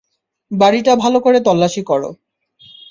বাড়িটা ভালো করে তল্লাশি করো।